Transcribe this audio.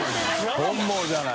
本望じゃない。